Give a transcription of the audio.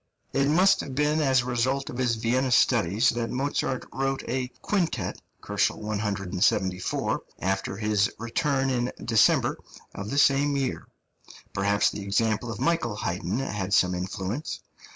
It must have been as a result of his Vienna studies that Mozart wrote a quintet (174 K.) after his return in December of the same year; perhaps the example of Michael Haydn had some influence.